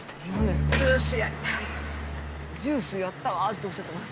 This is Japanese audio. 「ジュースやったわ」っておっしゃってます。